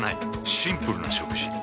シンプルな食事。